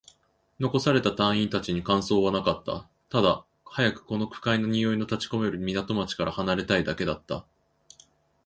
残された隊員達に感想はなかった。ただ、早くこの不快な臭いの立ち込める港町から離れたいだけだった。